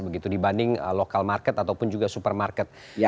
begitu dibanding lokal market ataupun juga supermarket